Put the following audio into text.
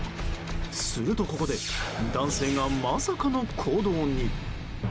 すると、ここで男性がまさかの行動に。